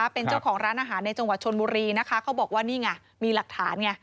เป็นเจ้าของร้านอาหารในจังหวัดชนบุรีนะคะเขาบอกว่านี่ไงมีหลักฐานไง